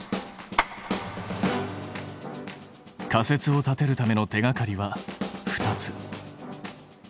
仮説を立てるための手がかりは２つ。